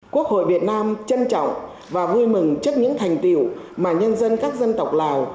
quốc hội việt nam trân trọng và vui mừng trước những thành tiệu mà nhân dân các dân tộc lào